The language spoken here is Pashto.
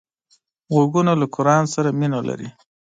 غوږونه له قرآن سره مینه لري